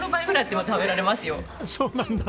そうなんだ。